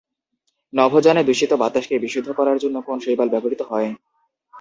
নভোযানে দূষিত বাতাসকে বিশুদ্ধ করার জন্য কোন শৈবাল ব্যবহৃত হয়?